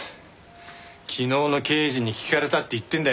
昨日の刑事に聞かれたって言ってんだよ。